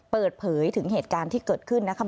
เปิดเผยถึงเหตุการณ์ที่เกิดขึ้นนะครับ